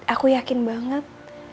aku yakin banget